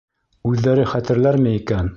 Үҙҙәре хәтерләрме икән?